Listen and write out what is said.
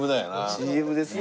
ＣＭですね。